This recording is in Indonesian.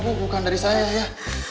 bukan dari saya ya